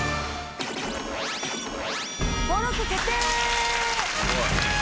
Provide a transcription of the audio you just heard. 登録決定！